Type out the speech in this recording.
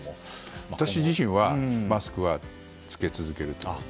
私自身はマスクは着け続けると思います。